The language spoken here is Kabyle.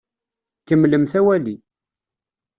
Kemmlemt awali!